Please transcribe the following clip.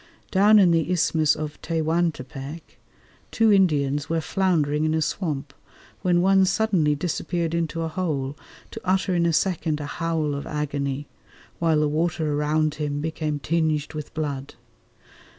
Down in the Isthmus of Tehuantepec two Indians were floundering in a swamp when one suddenly disappeared into a hole, to utter in a second a howl of agony, while the water around him became tinged with blood.